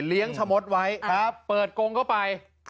เลี้ยงชะมดไว้เปิดกรงเข้าไป